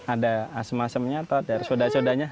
ada asem asemnya tot dan soda sodanya